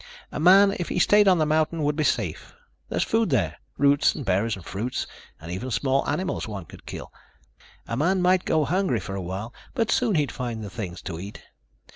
A man, if he stayed on the mountain, would be safe. There's food there. Roots and berries and fruits and even small animals one could kill. A man might go hungry for a while, but soon he'd find the things to eat.